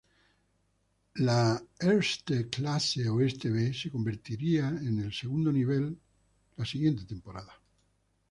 La Eerste Klasse Oeste-B se convertiría en el segundo nivel la próxima temporada.